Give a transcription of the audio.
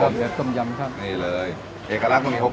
ความโดดเด็ดและไม่เหมือนใครค่ะ